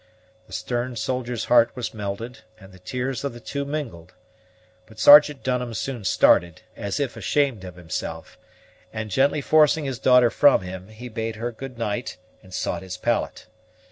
The stern soldier's heart was melted, and the tears of the two mingled; but Sergeant Dunham soon started, as if ashamed of himself, and, gently forcing his daughter from him, he bade her good night, and sought his pallet.